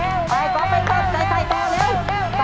เอาไปก๊อฟไปตัดใส่ต่อเร็วใส่ดินไปเยอะแยะเลย